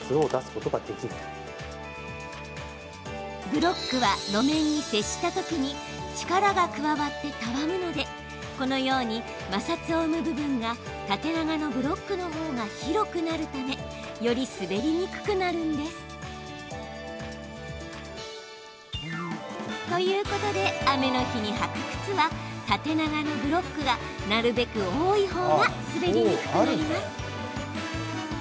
ブロックは路面に接したときに力が加わってたわむのでこのように摩擦を生む部分が縦長のブロックのほうが広くなるためより滑りにくくなるんです。ということで雨の日に履く靴は縦長のブロックがなるべく多いほうが滑りにくくなります。